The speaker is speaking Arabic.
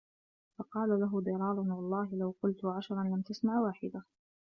فَقَالَ لَهُ ضِرَارٌ وَاَللَّهِ لَوْ قُلْت عَشْرًا لَمْ تَسْمَعْ وَاحِدَةً